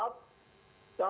terima kasih pak